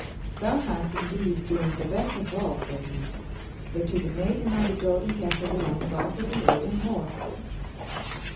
"Thou hast indeed gained the best of all," said he; "but to the maiden of the golden castle belongs also the golden horse."